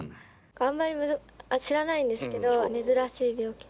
あんまり知らないんですけど珍しい病気。